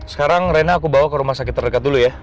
sekarang rena aku bawa ke rumah sakit terdekat dulu ya